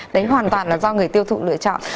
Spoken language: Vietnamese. đấy hoàn toàn là do người tiêu thụ lựa chọn